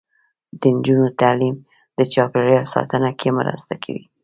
د نجونو تعلیم د چاپیریال ساتنه کې مرسته کوي.